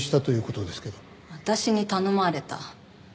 私に頼まれた？